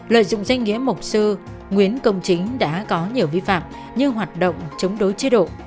lợi dụng danh nghĩa mục sư nguyễn công chính đã có nhiều vi phạm như hoạt động chống đối chế độ